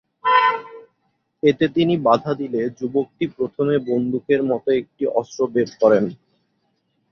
এতে তিনি বাধা দিলে যুবকটি প্রথমে বন্দুকের মতো একটি অস্ত্র বের করেন।